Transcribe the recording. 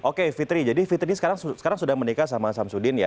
oke fitri jadi fitri sekarang sudah menikah sama samsudin ya